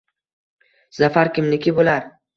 Zafar kimniki bo‘lar